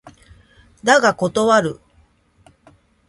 だが断る